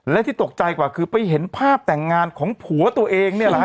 และที่ตกใจกว่าคือไปเห็นภาพแต่งงานของผัวตัวเองเนี่ยแหละฮะ